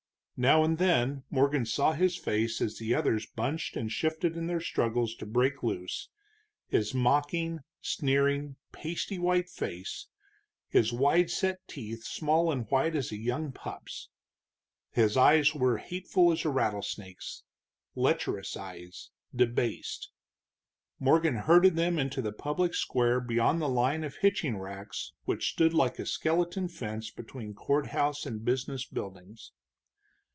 Now and then Morgan saw his face as the others bunched and shifted in their struggles to break loose, his mocking, sneering, pasty white face, his wide set teeth small and white as a young pup's. His eyes were hateful as a rattlesnake's; lecherous eyes, debased. Morgan herded them into the public square beyond the line of hitching racks which stood like a skeleton fence between courthouse and business buildings.